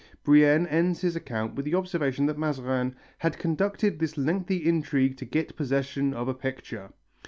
Brienne ends his account with the observation that Mazarin "had conducted this lengthy intrigue to get possession of a picture."